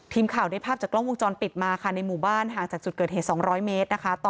ทีมข่าวได้ภาพจากกล้องวงจรปิดมาค่ะในหมู่บ้านห่างจากจุดเกิดเหตุ๒๐๐เมตรนะคะ